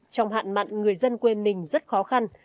trong hạn mặn người dân quê mình rất khó khăn